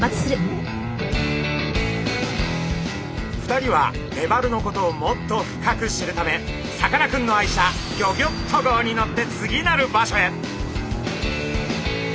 ２人はメバルのことをもっと深く知るためさかなクンの愛車ギョギョッと号に乗って次なる場所へ。